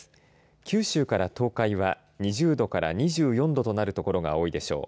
九州から東海は２０度から２４度となる所が多いでしょう。